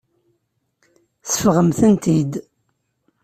Seffɣemt-tent-id.